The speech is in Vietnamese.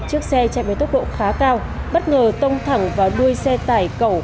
chiếc xe chạy với tốc độ khá cao bất ngờ tông thẳng vào đuôi xe tải cẩu